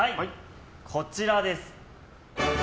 こちらです。